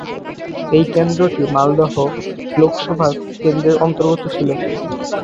এই কেন্দ্রটি মালদহ লোকসভা কেন্দ্রের অন্তর্গত ছিল।